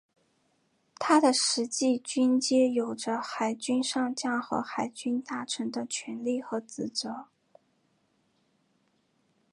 他的实际军阶有着海军上将和海军大臣的权力和职责。